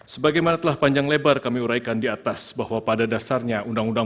sebagaimana telah panjang lebar kami uraikan di atas bahwa pada dasarnya undang undang